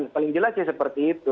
paling jelasnya seperti itu